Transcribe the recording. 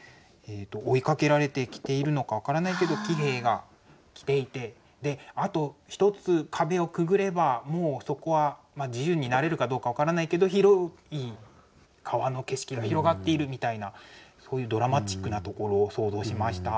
追いかけられてきているのか分からないけど騎兵が来ていてあと１つ壁をくぐればもうそこは自由になれるかどうか分からないけど広い川の景色が広がっているみたいなそういうドラマチックなところを想像しました。